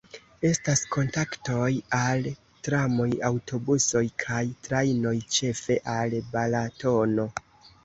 Estas kontaktoj al tramoj, aŭtobusoj kaj trajnoj ĉefe al Balatono.